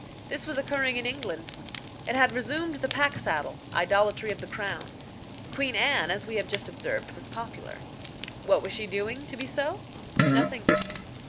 This was occurring in England. It had resumed the pack saddle, idolatry of the crown. Queen Anne, as we have just observed, was popular. What was she doing to be so? Nothing.